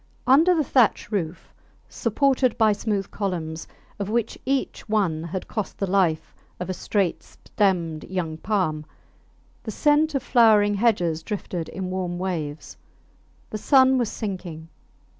Under the thatch roof supported by smooth columns, of which each one had cost the life of a straight stemmed young palm, the scent of flowering hedges drifted in warm waves. The sun was sinking.